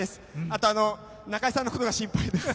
あと、中居さんのことが心配です。